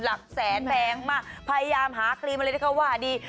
หลักแสนแพงมากพยายามหาครีมอะไรที่เขาว่าดี